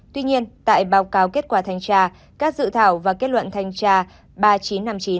tuy nhiên tại báo cáo kết quả thanh tra các dự thảo và kết luận thanh tra ba nghìn chín trăm năm mươi chín